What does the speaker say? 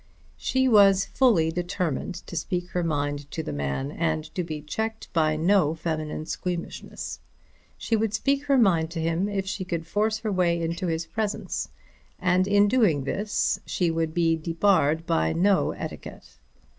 She was fully determined to speak her mind to the man and to be checked by no feminine squeamishness. She would speak her mind to him if she could force her way into his presence. And in doing this she would be debarred by no etiquette.